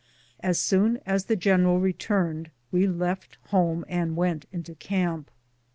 As soon as the general returned we left home and went into camp.